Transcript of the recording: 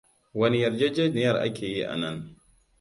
Wane yarjejeniyar akeyi anan?